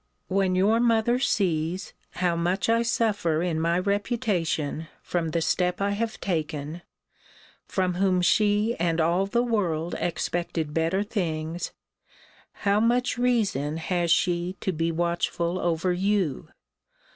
When your mother sees, how much I suffer in my reputation from the step I have taken, from whom she and all the world expected better things, how much reason has she to be watchful over you!